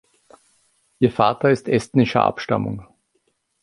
Ihr Vater ist estnischer Abstammung.